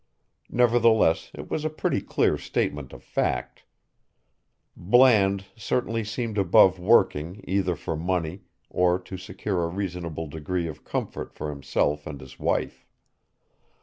Nevertheless it was a pretty clear statement of fact. Bland certainly seemed above working either for money or to secure a reasonable degree of comfort for himself and his wife.